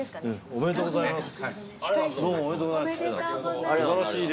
おめでとうございます。